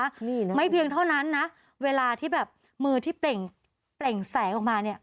นี่นะไม่เพียงเท่านั้นนะเวลาที่แบบมือที่เปล่งเปล่งแสงออกมาเนี่ย